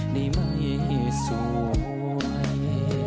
นี่ไม่สวย